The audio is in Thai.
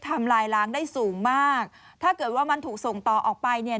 ทำลายล้างได้สูงมากถ้าเกิดว่ามันถูกส่งต่อออกไปเนี่ย